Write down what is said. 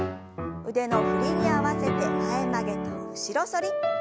腕の振りに合わせて前曲げと後ろ反り。